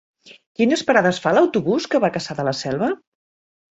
Quines parades fa l'autobús que va a Cassà de la Selva?